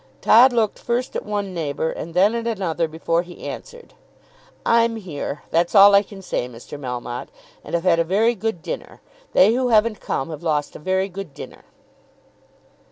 Todd looked first at one neighbour and then at another before he answered. "I'm here, that's all I can say, Mr. Melmotte; and I've had a very good dinner. They who haven't come, have lost a very good dinner."